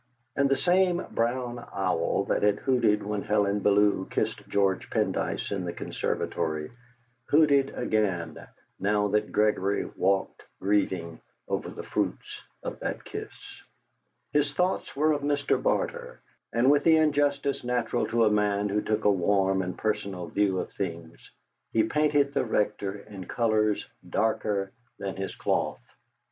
And the same brown owl that had hooted when Helen Bellew kissed George Pendyce in the conservatory hooted again now that Gregory walked grieving over the fruits of that kiss. His thoughts were of Mr. Barter, and with the injustice natural to a man who took a warm and personal view of things, he painted the Rector in colours darker than his cloth.